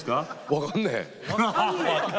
分かんねえ。